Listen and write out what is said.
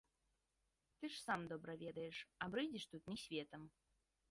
Ты ж сам добра ведаеш, а брыдзіш тут мне светам!